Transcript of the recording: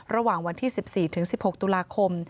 ระหว่างวันที่๑๔ถึง๑๖ตุลาคม